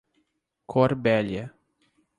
Corbélia